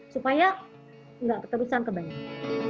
supaya tidak keterusan ke banyak